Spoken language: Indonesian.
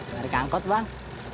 barik angkot bang